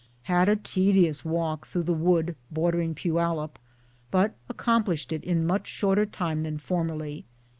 Had a tedious walk through the wood bordering Poyallip, but ac complished it in much shorter time than formerly.